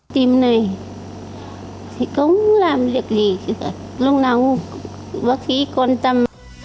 tìm này thì không làm việc gì lúc nào cũng bác sĩ quan tâm